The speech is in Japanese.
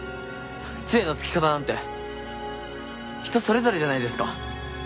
杖のつき方なんて人それぞれじゃないですか。